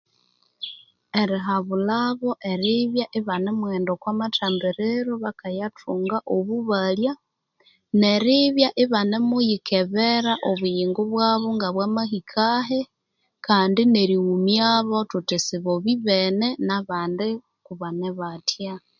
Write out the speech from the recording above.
Erihabulhabo eribya ibanemughenda okwa mathambiriro bakayathunga obubalya neribya ibanemuyikebera obuyingo bwabo ngabwama hikahi kandi nerighumyabo thuthi sibo bibene nabandi kubane bathya